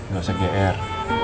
gak usah gr